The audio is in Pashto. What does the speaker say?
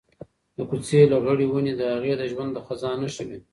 د کوڅې لغړې ونې د هغې د ژوند د خزان نښې وې.